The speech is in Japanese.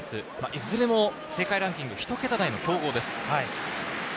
いずれも世界ランキングひと桁台の強豪です。